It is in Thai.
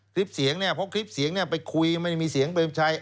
คลิปเสียงนี่คลิปเสียงนี่ไปคุยไม่มีเสียงเบรมชาย